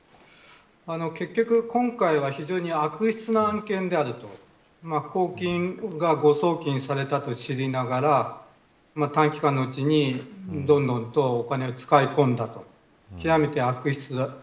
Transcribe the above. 結局、今回は非常に悪質な案件であると、公金が誤送金されたと知りながら短期間のうちにどんどんお金を使い込んだと極めて悪質である。